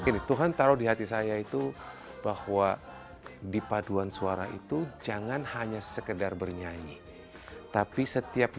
bentuknya cawan perjamuan kudus